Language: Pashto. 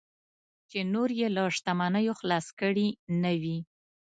چې نور یې له شتمنیو خلاص کړي نه وي.